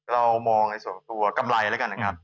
เรามองในส่วนตัวกำไรแล้วกันนะครับ